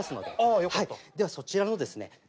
ではそちらのですね